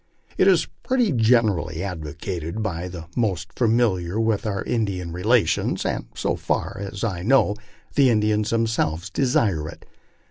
It is pretty generally advocated by those most famil iar with our Indian relations, and, so far as I know, the Indians themselves desire it.